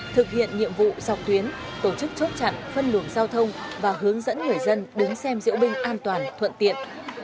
thực hiện nhiệm vụ dọc tuyến tổ chức chốt chặn phân luồng giao thông và hướng dẫn người dân đứng xem diễu binh an toàn thuận tiện